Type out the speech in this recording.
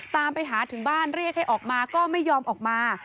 ตามไปหาถึงบ้านเรียกให้ออกมาก็ไม่ยอมออกมา